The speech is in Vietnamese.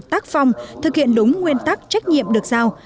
tác phong thực hiện đúng nguyên tắc trách nhiệm được giao